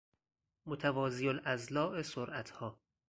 متوازی الاضلاع سرعت ها